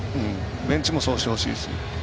ベンチもそうしてほしいし。